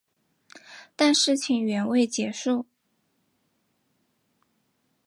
但事情远未结束。